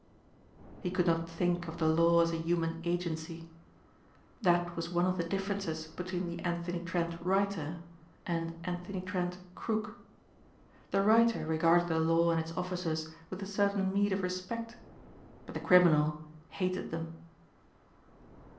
He could not think of the law as a human agency. That was one of the differences between the Anthony Trent, writer and Anthony Trent, crook. The writer regarded the law and its officers with a certain meed of respect but the criminal hated them.